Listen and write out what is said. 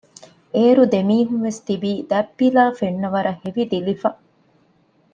އޭރު ދެމީހުންވެސް ތިބީ ދަތްޕިލާ ފެންނަވަރަށް ހެވިދިލިފަ